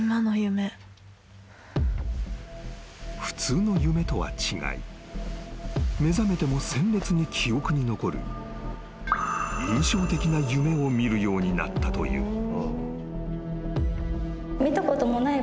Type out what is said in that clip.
［普通の夢とは違い目覚めても鮮烈に記憶に残る印象的な夢を見るようになったという］